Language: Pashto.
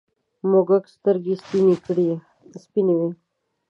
موږک سترگې سپینې وې.